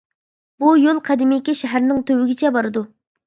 بۇ يول قەدىمكى شەھەرنىڭ تۈۋىگىچە بارىدۇ.